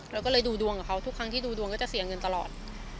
เราก็เลยดูดวงกับเขาทุกครั้งที่ดูดวงก็จะเสียเงินตลอด